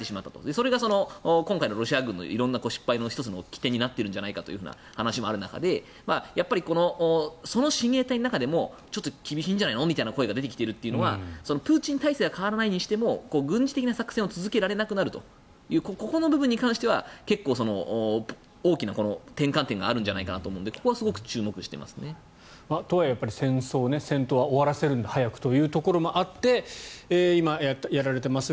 それが、今回のロシア軍の色んな失敗の１つの起点になっているんじゃないかという話もある中でこの親衛隊の中でもちょっと厳しいんじゃないのみたいな声が出ているというのはプーチン体制は変わらないにしても軍事的な作戦が続けられなくなるというここの部分に関しては結構大きな転換点があるんじゃないかと思うのでとはいえ戦争、戦闘は終わらせるんだ、早くというところがあって今、やられています